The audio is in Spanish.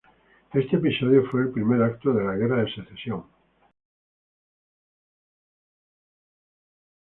Este episodio fue el primer acto de la Guerra de Secesión.